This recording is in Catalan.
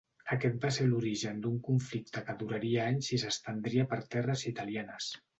Aquest va ser l'origen d'un conflicte que duraria anys i s'estendria per terres italianes.